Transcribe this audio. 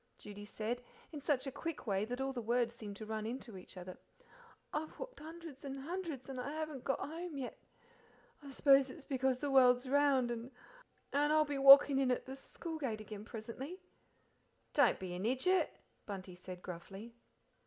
Judy said, in such a quick way that all the words seemed to run into each other. "I've walked hundreds and hundreds, and haven't got home yet. I suppose it's because the world's round, and I'll be walling in at the school gate again presently." "Don't be an idjut!" Bunty said gruffly.